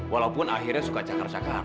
walaupun akhirnya suka cakar cakar